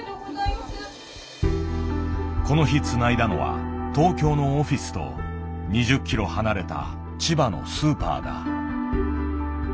この日つないだのは東京のオフィスと２０ｋｍ離れた千葉のスーパーだ。